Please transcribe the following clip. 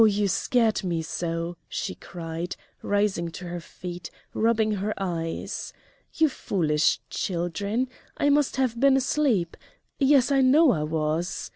you scared me so!" she cried, rising to her feet, rubbing her eyes. "You foolish Children! I must have been asleep yes, I know I was!"